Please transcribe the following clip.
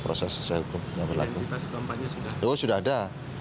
oh sudah ada